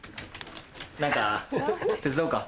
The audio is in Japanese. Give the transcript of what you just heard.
何か手伝おうか？